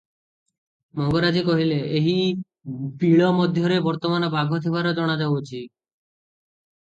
ମଙ୍ଗରାଜେ କହିଲେ "ଏହି ବିଳ ମଧ୍ୟରେ ବର୍ତ୍ତମାନ ବାଘ ଥିବାର ଜଣାଯାଉଅଛି ।"